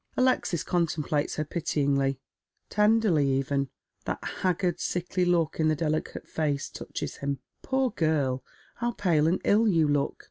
Alexis contemplates her pityingl}'^ — tenderly even; — that haggard, sickly look in the delicate face touches him. " Poor girl, how pale and ill you look